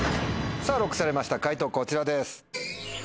さぁＬＯＣＫされました解答こちらです。